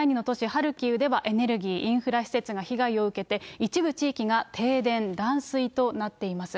ハルキウでは、エネルギー、インフラ施設が被害を受けて、一部地域が停電、断水となっています。